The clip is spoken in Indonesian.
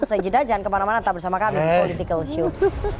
tidak jadilah jangan kemana mana tetap bersama kami di politikal show